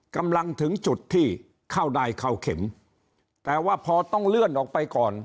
กำลังถึงจุดที่เข้าได้เข้าเข็มแต่ว่าพอต้องเลื่อนออกไปก่อน